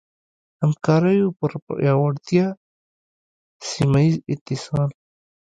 همکاریو پر پیاوړتیا ، سيمهييز اتصال